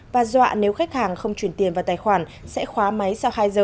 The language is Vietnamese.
và dọa nếu khách hàng không chuyển tiền vào tài khoản sẽ khóa máy sau hai giờ